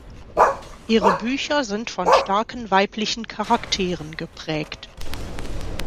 Ihre Bücher sind von starken weiblichen Charakteren geprägt.